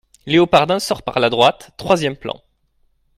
Léopardin sort par la droite, troisième plan.